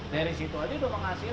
dari situ aja udah penghasil